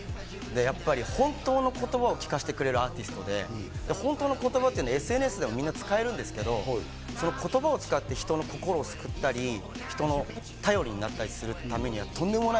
本当の言葉を聞かせてくれるアーティストで、本当の言葉っていうのはＳＮＳでみんな使うんですけど、言葉を使って人の心を救ったり、頼りになったりするためにはとんでもない。